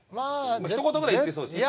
ひと言ぐらい言ってそうですね。